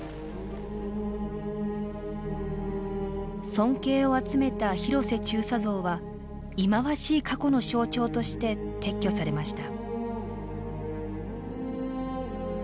尊敬を集めた広瀬中佐像は忌まわしい過去の象徴として撤去されました。